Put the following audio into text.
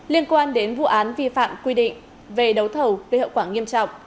liên quan đến vụ án vi phạm quy định về đấu thầu gây hậu quả nghiêm trọng